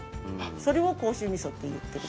それを甲州味噌っていってる。